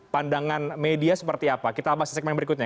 pandangan media seperti apa kita bahas di segmen berikutnya